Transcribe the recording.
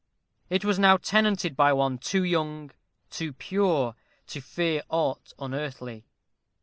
It was now tenanted by one too young, too pure, to fear aught unearthly.